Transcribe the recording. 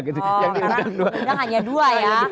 karena yang ini hanya dua ya